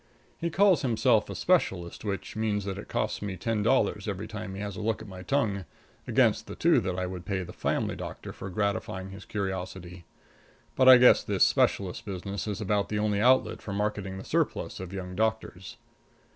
He calls himself a specialist, which means that it costs me ten dollars every time he has a look in at my tongue, against two that I would pay the family doctor for gratifying his curiosity. But I guess this specialist business is about the only outlet for marketing the surplus of young doctors.